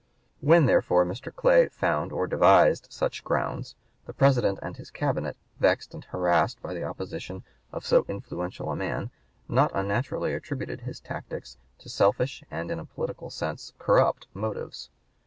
When, therefore, Mr. Clay found or devised such grounds, the President and his Cabinet, vexed and harassed by the opposition of so influential a man, not unnaturally attributed his tactics to selfish and, in a political sense, corrupt motives.